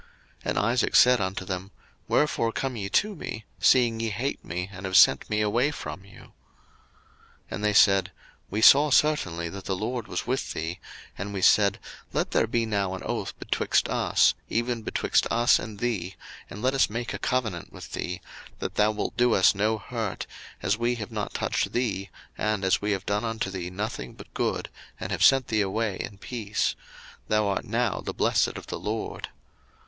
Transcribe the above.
01:026:027 And Isaac said unto them, Wherefore come ye to me, seeing ye hate me, and have sent me away from you? 01:026:028 And they said, We saw certainly that the LORD was with thee: and we said, Let there be now an oath betwixt us, even betwixt us and thee, and let us make a covenant with thee; 01:026:029 That thou wilt do us no hurt, as we have not touched thee, and as we have done unto thee nothing but good, and have sent thee away in peace: thou art now the blessed of the LORD.